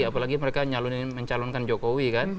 apalagi mereka mencalonkan jokowi